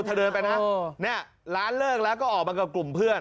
เธอเดินไปนะเนี่ยร้านเลิกแล้วก็ออกมากับกลุ่มเพื่อน